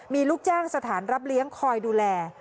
มีลูกจ้างสถานรับเลี้ยงคอยดูแล